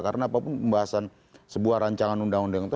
karena apapun pembahasan sebuah rancangan undang undang itu